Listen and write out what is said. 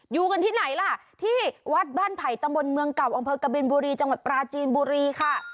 อยู่กันที่ไหนล่ะที่วัดบ้านไผ่ตำบลเมืองเก่าอำเภอกบินบุรีจังหวัดปราจีนบุรีค่ะ